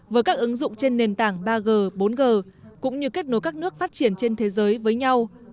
với các ứng dụng trên nền tảng ba g bốn g cũng như kết nối các nước phát triển trên thế giới với nhau